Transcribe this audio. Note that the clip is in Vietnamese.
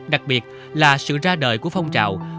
đặc biệt là sự ra đời của phong trào